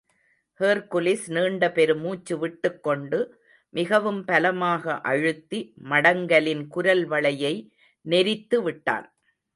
Hercules நீண்ட பெரு முச்சுவிட்டுக் கொண்டு, மிகவும் பலமாக அழுத்தி மடங்கலின் குரல்வளையை நெரித்துவிட்டான்!